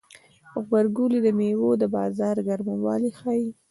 غبرګولی د میوو د بازار ګرموالی ښيي.